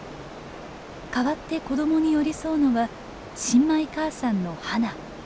代わって子どもに寄り添うのは新米母さんのハナ。